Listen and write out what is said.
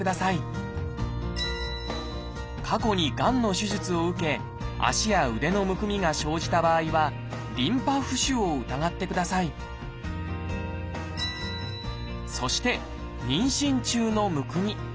過去にがんの手術を受け足や腕のむくみが生じた場合はリンパ浮腫を疑ってくださいそして妊娠中のむくみ。